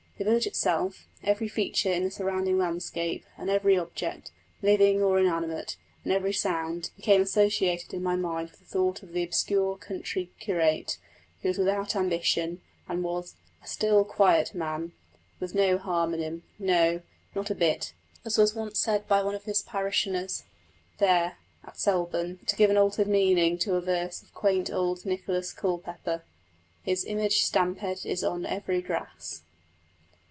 The village itself, every feature in the surrounding landscape, and every object, living or inanimate, and every sound, became associated in my mind with the thought of the obscure country curate, who was without ambition, and was "a still, quiet man, with no harm in him no, not a bit," as was once said by one of his parishioners. There, at Selborne to give an altered meaning to a verse of quaint old Nicholas Culpepper His image stampéd is on every grass.